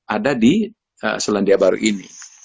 ada di selandia baru ini